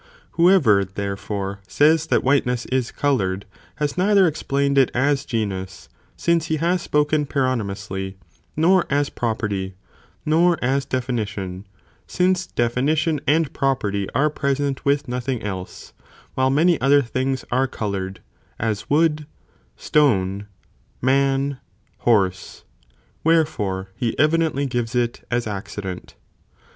Whoever, therefore, says that white ness is coloured, has neither explained it as genus, since he has spoken paronymously, nor as property, nor as definition, since definition and property are present with nothing else, while many other things are coloured, as wood, stone, man, horse ; wherefore he evidently gives it as accident.